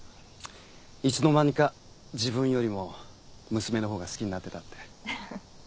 いつの間にか自分よりも娘のほうが好きになってたって。